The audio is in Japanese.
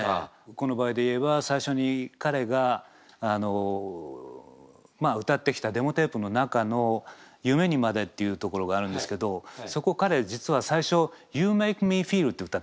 この場合で言えば最初に彼が歌ってきたデモテープの中の「夢にまで」っていうところがあるんですけどそこ彼実は最初「ｙｏｕｍａｋｅｍｅｆｅｅｌ」って歌ってきたんですよ。